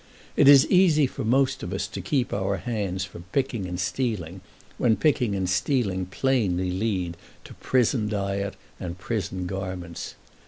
It is easy for most of us to keep our hands from picking and stealing when picking and stealing plainly lead to prison diet and prison garments.